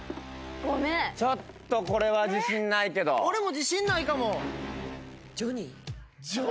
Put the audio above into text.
ごめんちょっとこれは自信ないけど俺も自信ないかもジョニー？